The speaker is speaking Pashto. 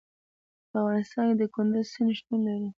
په افغانستان کې د کندز سیند شتون لري.